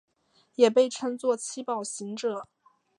也被称作七宝行者。